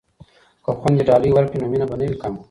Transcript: که خویندې ډالۍ ورکړي نو مینه به نه وي کمه.